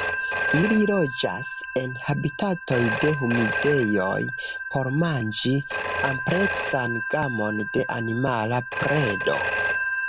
Ili loĝas en habitatoj de humidejoj por manĝi ampleksan gamon de animala predo.